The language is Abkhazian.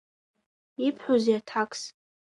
Ибҳәозеи аҭакс?